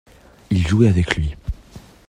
Il jouait avec lui.